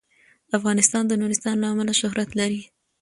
افغانستان د نورستان له امله شهرت لري.